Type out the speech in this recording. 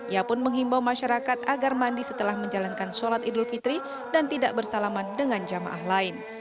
ia pun menghimbau masyarakat agar mandi setelah menjalankan sholat idul fitri dan tidak bersalaman dengan jamaah lain